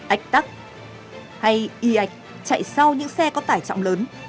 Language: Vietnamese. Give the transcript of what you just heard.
ách tắc hay y ạch chạy sau những xe có tải trọng lớn